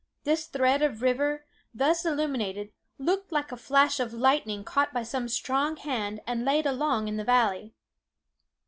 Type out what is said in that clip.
This thread of river, thus illuminated, looked like a flash of lightning caught by some strong hand and laid along in the valley.